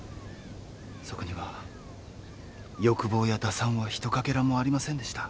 そこには欲望や打算は一かけらもありませんでした。